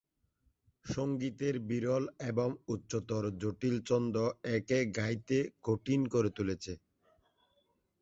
সঙ্গীতের বিরল এবং উচ্চতর জটিল ছন্দ একে গাইতে কঠিন করে তুলেছে।